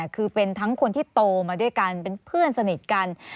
คือเป็นทั้งคนที่โตมาด้วยกันเป็นเพื่อนสนิทกัน